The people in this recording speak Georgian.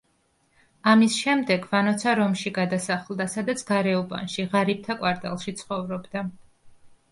ამის შემდეგ ვანოცა რომში გადასახლდა, სადაც გარეუბანში, ღარიბთა კვარტალში ცხოვრობდა.